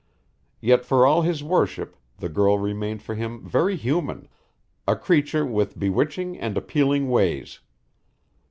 Yet for all his worship the girl remained for him very human, a creature with bewitching and appealing ways.